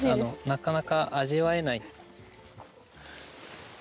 なかなか味わえない。